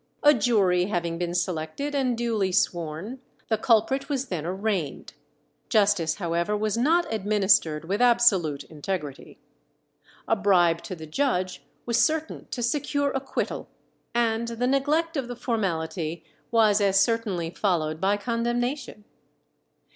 A jury having been selected and duly sworn, the culprit was then arraigned. Justice, however, was not administered with absolute integrity. A bribe to the judge was certain to secure acquittal, and the neglect of the formality was as certainly followed by condemnation.